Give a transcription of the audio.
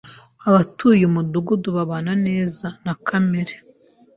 Abatuye uyu mudugudu babana neza na kamere.